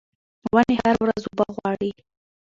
ونې هره ورځ اوبه غواړي.